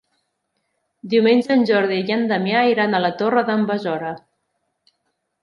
Diumenge en Jordi i en Damià iran a la Torre d'en Besora.